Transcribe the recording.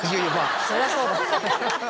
そりゃそうだ。